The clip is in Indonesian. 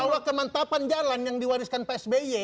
bahwa kemantapan jalan yang diwariskan psby